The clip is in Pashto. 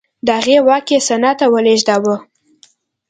د هغې واک یې سنا ته ولېږداوه